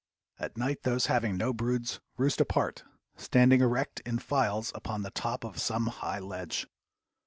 At night those having no broods roost apart, standing erect in files upon the top of some high ledge.